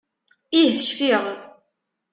Ih, cfiɣ.